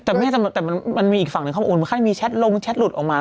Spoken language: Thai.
แต่มีอีกฝั่งนึงค่ะโอ้มันแค่มีแชทลงแชทหลุดออกมา